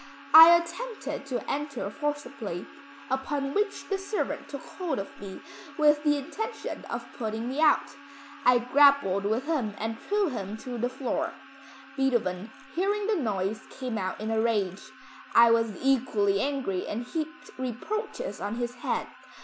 I attempted to enter forcibly, upon which the servant took hold of me, with the intention of putting me out. I grappled with him and threw him to the floor. Beethoven hearing the noise came out in a rage. I was equally angry and heaped reproaches on his head.